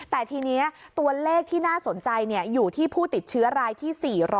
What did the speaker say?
แต่ทีนี้ตัวเลขที่น่าสนใจอยู่ที่ผู้ติดเชื้อรายที่๔๐